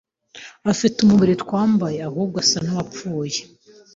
afite umubiri twambaye ahubwo asa n’uwapfuye